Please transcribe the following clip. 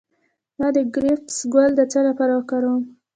د کرفس ګل د څه لپاره وکاروم؟